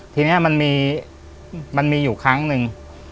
ทีนี้มันมีอยู่ครั้งหนึ่ง